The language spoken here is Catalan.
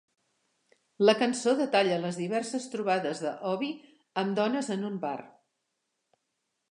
La cançó detalla les diverses trobades de Obie amb dones en un bar.